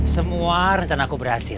semua rencanaku berhasil